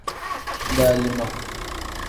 Dalima.